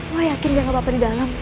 lu yakin gak ada apa apa di dalam